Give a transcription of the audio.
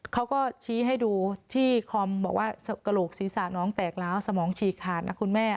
เขาก็ชี้ให้ดูที่คอมบอกว่ากระโหลกศีรษะน้องแตกแล้วสมองฉีกขาดนะคุณแม่